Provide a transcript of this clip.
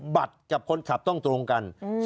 กับคนขับต้องตรงกัน